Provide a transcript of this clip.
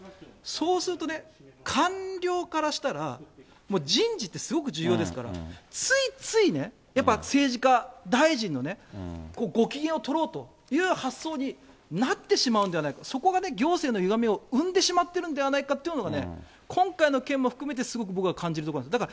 そうするとね、官僚からしたら、もう人事って、すごく重要ですから、ついついね、やっぱり政治家、大臣のね、ご機嫌を取ろうという発想になってしまうんではないか、そこがね、行政のゆがみを生んでしまっているんではないかっていうのがね、今回の件も含めて、すごく僕は感じるところなんです。